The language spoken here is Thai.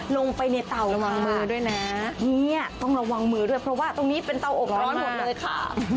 ลงไปในเตาค่ะนี่ต้องระวังมือด้วยเพราะว่าตรงนี้เป็นเตาอบร้อยมากร้อนหมดเลยค่ะ